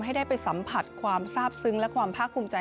ให้ได้ไปสัมผัสความทราบซึ้งและความภาคภูมิใจ